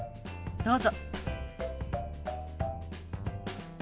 どうぞ。